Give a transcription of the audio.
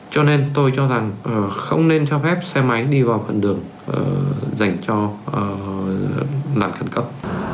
cho nên tôi cho rằng không nên cho phép xe máy đi vào phần đường dành cho nạn khẩn cấp